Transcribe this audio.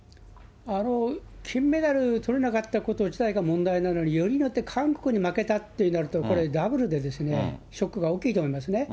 金メダルとれなかったこと自体が問題なのに、よりによって韓国に負けたってなると、これ、ダブルでショックが大きいと思いますね。